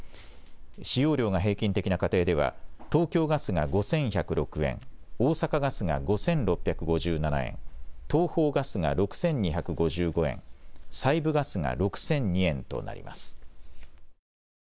使用量が平均的な家庭では東京ガスが５１０６円、大阪ガスが５６５７円、東邦ガスが６２５５円、西部ガスが６００２円となります。